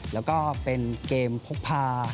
แล้วก็เป็นเกมพกพา